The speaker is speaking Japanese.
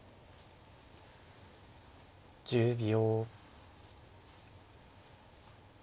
１０秒。